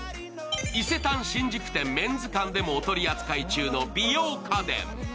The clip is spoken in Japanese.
伊勢丹新宿店メンズ館でもお取り扱い中の美容家電。